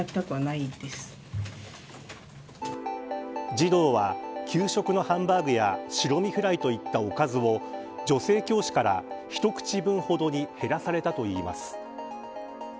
児童は給食のハンバーグや白身フライといったおかずを女性教師から、一口分ほどに減らされたといいます。